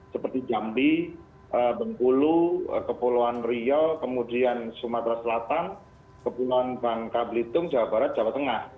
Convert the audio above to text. seperti jambi bengkulu kepulauan riau kemudian sumatera selatan kepulauan bangka belitung jawa barat jawa tengah